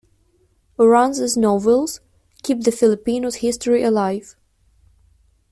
Uranza's novels keep the Filipinos' history alive.